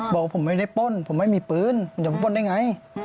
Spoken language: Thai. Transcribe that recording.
บอกว่าผมไม่ได้ป้นผมไม่มีปืนเดี๋ยวผมป้นได้ไง